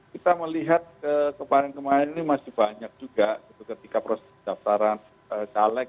kita melihat kemarin kemarin ini masih banyak juga ketika proses daftaran caleg